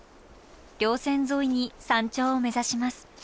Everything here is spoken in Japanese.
稜線沿いに山頂を目指します。